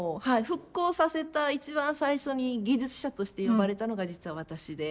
復興させた一番最初に技術者として呼ばれたのが実は私で。